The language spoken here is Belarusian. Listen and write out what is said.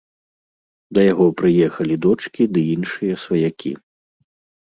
Да яго прыехалі дочкі ды іншыя сваякі.